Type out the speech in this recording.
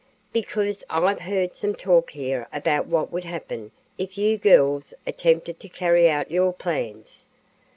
"Because I've heard some talk here about what would happen if you girls attempted to carry out your plans.